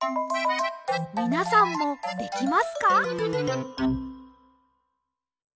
みなさんもできますか？